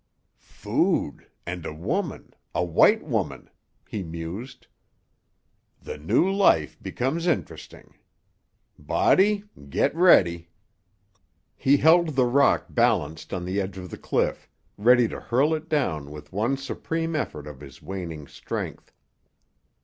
"Food—and a woman—a white woman," he mused. "The new life becomes interesting. Body, get ready." He held the rock balanced on the edge of the cliff, ready to hurl it down with one supreme effort of his waning strength.